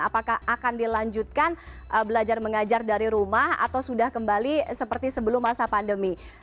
apakah akan dilanjutkan belajar mengajar dari rumah atau sudah kembali seperti sebelum masa pandemi